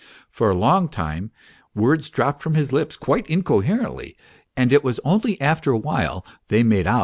For a long time words dropped from his lips quite incoherently, and it was only after a while they made out that 262 MR.